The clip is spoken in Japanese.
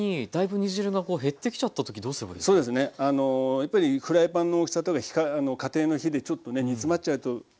やっぱりフライパンの大きさとか家庭の火でちょっとね煮詰まっちゃうと思うんですね。